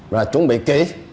rồi chuẩn bị ký